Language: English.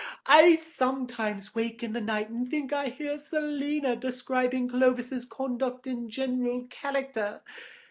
I sometimes wake in the night and think I still hear Selina describing Clovis's conduct and general character.